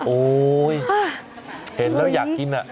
โอ๊ยเห็นแล้วอยากกิน